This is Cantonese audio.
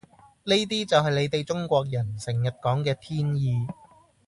呢啲就係你地中國人成日講嘅天意